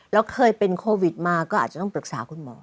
แล้วเคยเป็นโควิดมาก็อาจจะต้องปรึกษาคุณหมอ